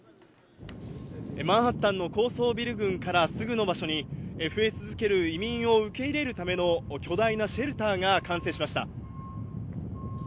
マンハッタンの高層ビル群からすぐの場所に増え続ける移民を受け入れるための巨大なシェルターが完成しました。